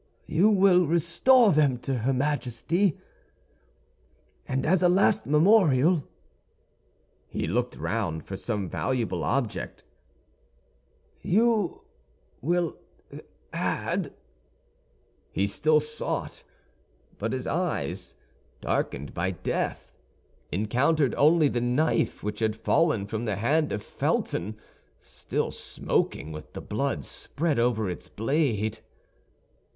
You will restore them to her Majesty; and as a last memorial"—he looked round for some valuable object—"you will add—" He still sought; but his eyes, darkened by death, encountered only the knife which had fallen from the hand of Felton, still smoking with the blood spread over its blade.